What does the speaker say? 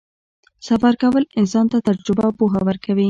سفر کول انسان ته تجربه او پوهه ورکوي.